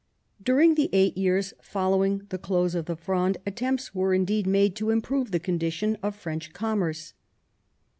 During the eight years following the close of the Fronde attempts were indeed made to improve the condition of French commerce.